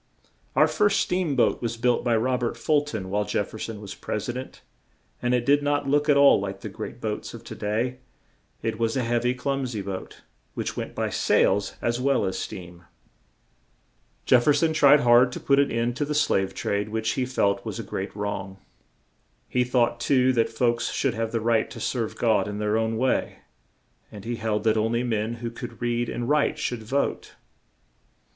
Our first steam boat was built by Rob ert Ful ton while Jef fer son was Pres i dent; and it did not look at all like the great boats of to day; it was a heav y, clum sy boat, which went by sails as well as steam. [Illustration: THE CLERMONT. Rob ert Ful ton's first Steam boat.] Jef fer son tried hard to put an end to the slave trade, which he felt was a great wrong; he thought, too, that folks should have the right to serve God in their own way; and he held that on ly men who could read and write should vote.